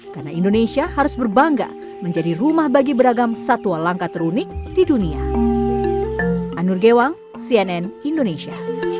karena indonesia harus berbangga menjadi rumah bagi beragam satwa langka terunik di dunia